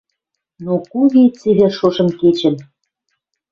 Но куги цевер шошым кечӹн